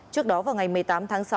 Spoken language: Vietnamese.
trước đó vào ngày một mươi tám tháng